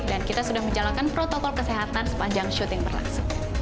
dan kita sudah menjalankan protokol kesehatan sepanjang syuting berlangsung